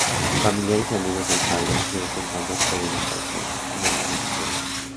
Familiares y amigos del padre, de vez en cuando, pueden aparecer en algún episodio.